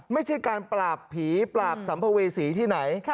ไม่ใช่การปราบผีปราบสัมภเวษีที่ไหน